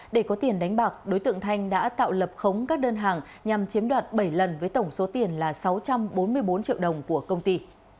để có tiền đánh bạc đối tượng thanh đã tạo lập khống các đơn hàng nhằm chiếm đoạt bảy lần với tổng số tiền là sáu trăm bốn mươi bốn triệu đồng của công ty